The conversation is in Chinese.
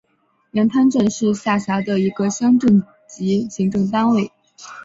连滩镇是下辖的一个乡镇级行政单位。